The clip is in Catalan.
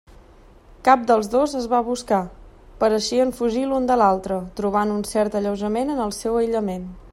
Cap dels dos es va buscar; pareixien fugir l'un de l'altre, trobant un cert alleujament en el seu aïllament.